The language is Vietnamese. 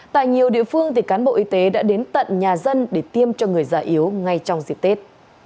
tại nhiều địa phương cán bộ y tế đã đến tận nhà dân để tiêm cho người già yếu ngay trong dịp tết